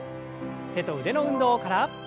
手と腕の運動から。